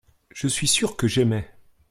je suis sûr que j'aimais.